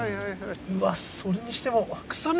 うわそれにしても。